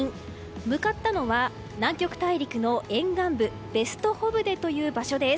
向かったのは、南極大陸の沿岸部ベストホブデという場所です。